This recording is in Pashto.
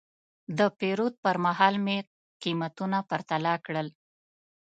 د پیرود پر مهال مې قیمتونه پرتله کړل.